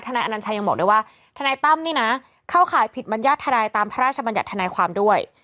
นายอนัญชัยยังบอกด้วยว่าทนายตั้มนี่นะเข้าข่ายผิดมัญญาติทนายตามพระราชบัญญัติธนายความด้วย